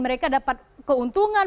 mereka dapat keuntungan